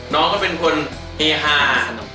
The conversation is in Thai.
น้องก็เป็นคนเฮฮา